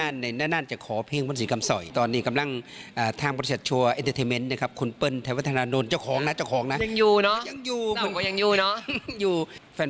แฟนเพื่อนก่อนถามมากขึ้นกัน